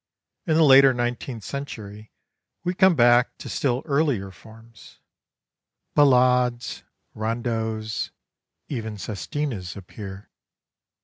In the later nineteenth century we come back to still earlier forms. Ballades, rondeaus, even sestinas appear.